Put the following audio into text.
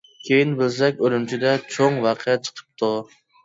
كېيىن بىلسەك، ئۈرۈمچىدە چوڭ ۋەقە چىقىپتۇ.